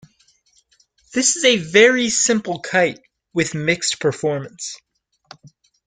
This is a very simple kite with mixed performance.